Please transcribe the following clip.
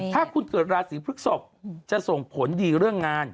ถ้าคุณเกิดราศีพฤกษกจะส่งผลดีเรื่องงาน